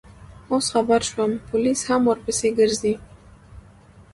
اوس خبر شوم، پولیس هم ورپسې ګرځي.